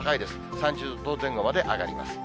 ３０度前後まで上がります。